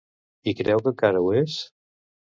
I creu que encara ho és?